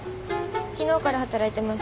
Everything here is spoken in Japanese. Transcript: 昨日から働いてます